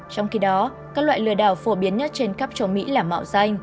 trong khi đó các loại lừa đảo phổ biến nhất trên khắp châu mỹ là mạo danh